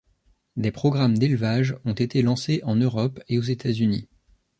Des programmes d'élevage ont été lancés en Europe et aux États-Unis.